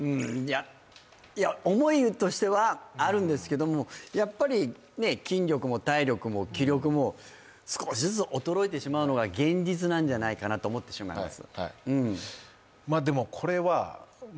思いとしてはあるんですけども、やっぱり、筋力も体力も気力も少しずつ衰えてしまうのが現実じゃないかなと思ってしまうんです。